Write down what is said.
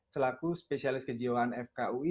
selaku spesialis kejiwaan fkui